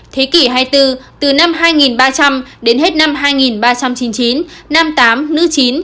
thế kỷ hai mươi bốn từ năm hai nghìn ba trăm linh đến hết năm hai nghìn ba trăm chín mươi chín nam tám nữ chín